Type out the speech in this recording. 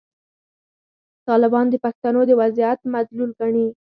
طالبان د پښتنو د وضعیت مدلول ګڼلي.